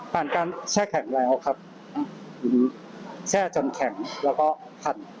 การแช่แข็งแล้วครับแช่จนแข็งแล้วก็พัน